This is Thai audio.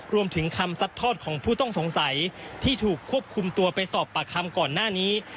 รวมถึงคำซัดทอดของผู้ต้องสงสัยที่ถูกควบคุมตัวไปสอบปากคำก่อนหน้านี้